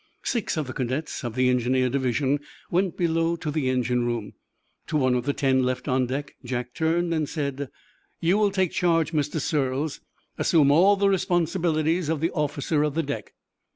Six of the cadets, of the engineer division, went below to the engine room. To one of the ten left on deck Jack turned and said: "You will take charge, Mr. Surles. Assume all the responsibilities of the officer of the deck."